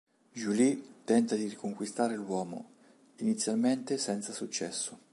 Julie tenta di riconquistare l'uomo, inizialmente senza successo.